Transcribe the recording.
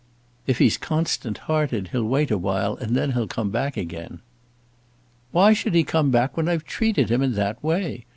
"If he's constant hearted he'll wait a while and then he'll come back again." "Why should he come back when I've treated him in that way?